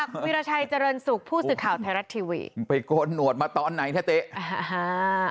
กิ๓๐๐ชัยจรรย์สุขผู้สิทธิ์ข่าวไทยรัชทีวีไปโกรธหนวดมาตอนไหนแท้เต๊อาฮะ